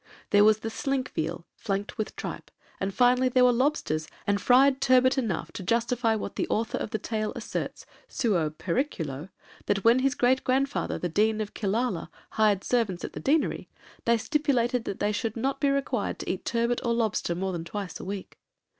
There was the slink veal, flanked with tripe; and, finally, there were lobsters and fried turbot enough to justify what the author of the tale asserts, 'suo periculo,' that when his great grandfather, the Dean of Killala, hired servants at the deanery, they stipulated that they should not be required to eat turbot or lobster more than twice a week.